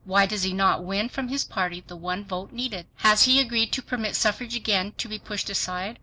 WHY DOES HE NOT WIN FROM HIS PARTY THE ONE VOTE NEEDED? HAS HE AGREED TO PERMIT SUFFRAGE AGAIN TO BE PUSHED ASIDE?